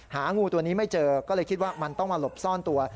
หางูตัวนี้ไม่เจอก็เลยคิดว่ามันต้องมาหลบซ่อนตัว